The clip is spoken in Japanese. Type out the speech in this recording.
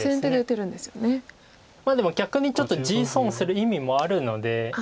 でも逆にちょっと地損する意味もあるので。